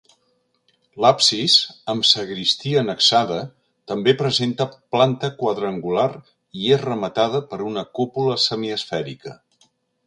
L'absis, amb sagristia annexada, també presenta planta quadrangular i és rematada per una cúpula semiesfèrica.